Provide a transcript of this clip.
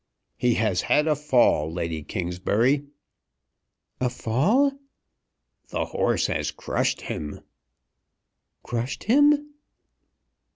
"He has had a fall, Lady Kingsbury." "A fall!" "The horse has crushed him." "Crushed him!"